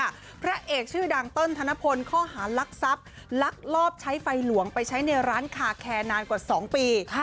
พระเอกชื่อดังเติ้ลธนพลข้อหารักทรัพย์ลักลอบใช้ไฟหลวงไปใช้ในร้านคาแคร์นานกว่า๒ปี